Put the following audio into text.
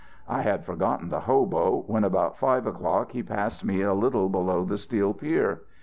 "I had forgotten the hobo, when about five o'clock he passed me a little below the Steel Pier.